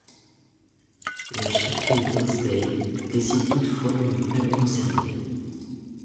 Le Sheffield Wednesday décide toutefois de ne pas le conserver.